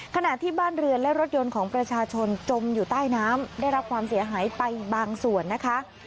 ขณะที่บ้านเรือนและรถยนต์ของประชาชนจมอยู่ใต้น้ำได้รับความเสียหายไปบางส่วนนะคะ